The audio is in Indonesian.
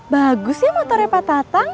bagus ya motornya pak tatang